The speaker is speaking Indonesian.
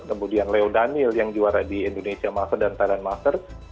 kemudian leo daniel yang juara di indonesia master dan thailand master